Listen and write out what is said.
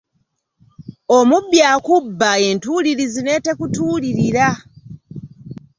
Omubbi akubba entuulirizi n’etekutuulirira.